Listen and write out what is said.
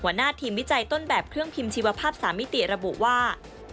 หัวหน้าทีมวิจัยต้นแบบเครื่องพิมพ์ชีวภาพ๓มิติระบุว่า